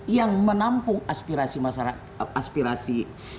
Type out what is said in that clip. yang menampung aspirasi